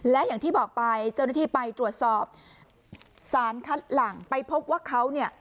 และอย่างที่บอกไปเจ้าหน้าที่ไปตรวจสอบสารคัดหลังไปพบว่าเขาเนี่ย